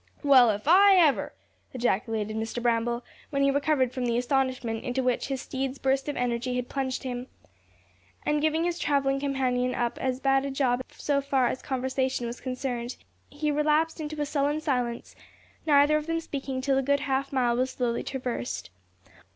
"Well, if I ever!" ejaculated Mr. Bramble, when he recovered from the astonishment into which his steed's burst of energy had plunged him. And giving his travelling companion up as a bad job so far as conversation was concerned, he relapsed into a sullen silence, neither of them speaking till a good half mile was slowly traversed.